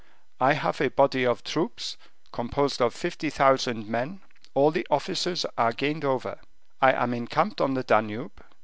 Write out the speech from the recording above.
"I have a body of troops, composed of 50,000 men; all the officers are gained over. I am encamped on the Danube.